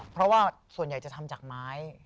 เพราะว่าส่วนใหญ่จะทำจากไม้